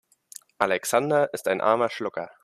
Alexander ist ein armer Schlucker.